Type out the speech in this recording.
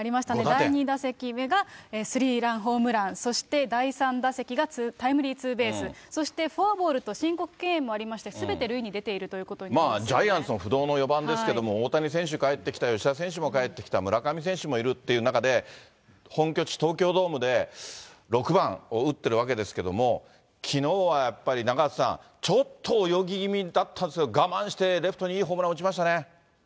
第２打席目がスリーランホームラン、そして第３打席がタイムリーツーベース、そしてフォアボールと申告敬遠もありまして、すべて塁に出ているまあジャイアンツの不動の４番ですけれども、大谷選手帰ってきた、吉田選手も帰ってきた、村上選手もいるっていう中で、本拠地、東京ドームで、６番を打ってるわけですけれども、きのうはやっぱり、中畑さん、ちょっと泳ぎ気味だったですけど、我慢してレフトにいいホームラン打ちましたね。